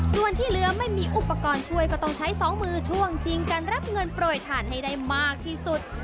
ส่วนที่เหลือไม่มีอุปกรณ์ช่วยก็ต้องใช้สองมือช่วงชิงการรับเงินโปรยทานให้ได้มากที่สุด